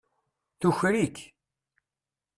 Tuker-ik.